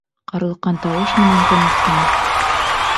Ҡарлыҡҡан тауыш менән, тыныс ҡына: